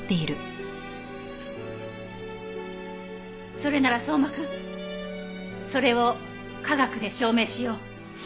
それなら相馬くんそれを科学で証明しよう。